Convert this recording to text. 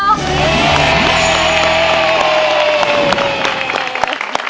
เย้